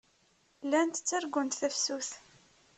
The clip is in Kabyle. Llant ttargunt tafsut.